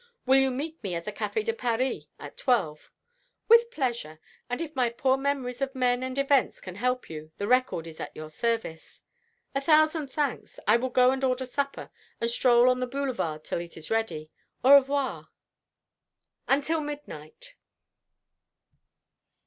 Will you meet me at the Café de Paris at twelve?" "With pleasure; and if my poor memories of men and events can help you, the record is at your service." "A thousand thanks. I will go and order supper, and stroll on the Boulevard till it is ready. Au revoir!" "Until midnight!"